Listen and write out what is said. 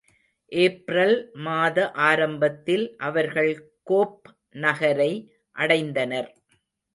April மாத ஆரம்பத்தில் அவர்கள் கோப் நகரை அடைந்தனர்.